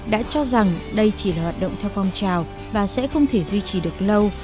đã cho rằng đây chỉ là hoạt động theo phong trào và sẽ không thể duy trì được lâu